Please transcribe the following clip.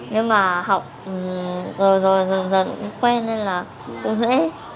nhưng mà học rồi rồi dần dần quen nên là cũng dễ